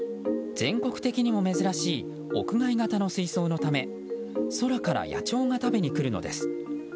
全国的にも珍しい屋外型の水槽のため空から野鳥が食べに来るのです。